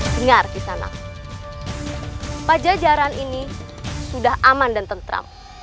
dengar kisah nama pajajaran ini sudah aman dan tentram